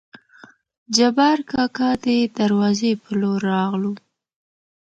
جبارکاکا دې دروازې په لور راغلو.